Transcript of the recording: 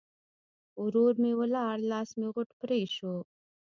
ورور م ولاړ؛ لاس مې غوټ پرې شو.